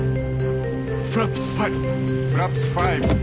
フラップス５！フラップス５。